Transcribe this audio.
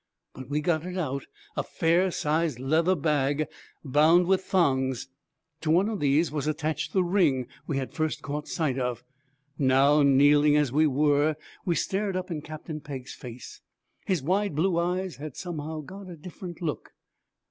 but we got it out: a fair sized leather bag bound with thongs. To one of these was attached the ring we had first caught sight of. Now, kneeling as we were, we stared up in Captain Pegg's face. His wide blue eyes had somehow got a different look.